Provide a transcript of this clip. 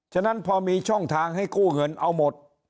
ฉะนั้นพอมีช่องทางให้กู้เงินเอาหมด